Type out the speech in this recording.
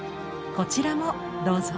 こちらもどうぞ。